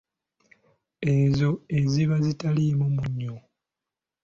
Ezo eziba zitaliimu munnyo.